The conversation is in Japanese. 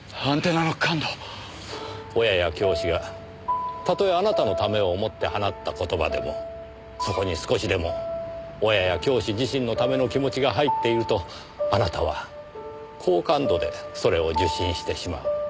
親や教師がたとえあなたのためを思って放った言葉でもそこに少しでも親や教師自身のための気持ちが入っているとあなたは高感度でそれを受信してしまう。